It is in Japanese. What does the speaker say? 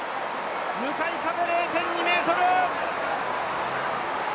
向かい風０．２メートル。